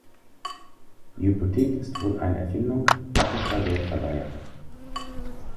Die Hypothek ist wohl eine Erfindung attischer Geldverleiher.